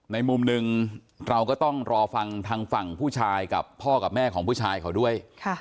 ในมุมหนึ่งเราก็ต้องรอฟังทางฝั่งผู้ชายกับพ่อกับแม่ของผู้ชายเขาด้วย